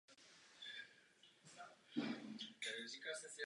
Po skončení algoritmu lze získat správnou hodnotu pomocí exponenciální funkce.